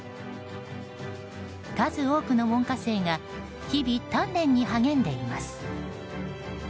数多くの門下生が日々、鍛錬に励んでいます。